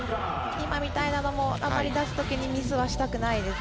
今みたいなのも出すときにミスはしたくないです。